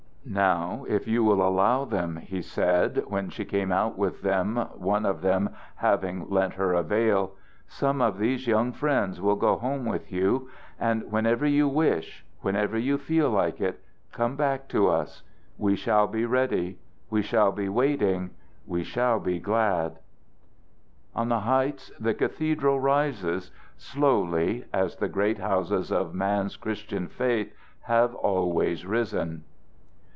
"Now, if you will allow them," he said, when she came out with them, one of them having lent her a veil, "some of these young friends will go home with you. And whenever you wish, whenever you feel like it, come back to us. We shall be ready. We shall be waiting. We shall all be glad." On the heights the cathedral rises slowly, as the great houses of man's Christian faith have always risen.